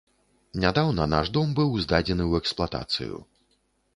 Нядаўна наш дом быў здадзены ў эксплуатацыю.